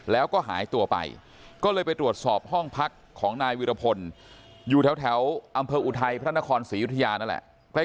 แล้วก็หายตัวไปก็เลยไปตรวจสอบห้องพักของนายวิรพลอยู่แถวอำเภออุทัยพระนครศรียุธยานั่นแหละ